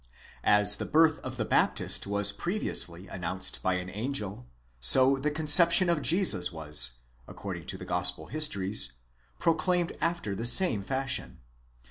As the birth of the Baptist was previously announced by an angel, so the conception of Jesus was, according to the gospel histories, proclaimed after the same fashion.